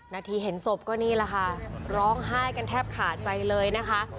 นาทีเห็นศพก็นี่แหละค่ะร้องไห้กันแทบขาดใจเลยนะคะ